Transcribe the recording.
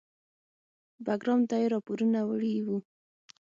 بګرام ته یې راپورونه وړي وو.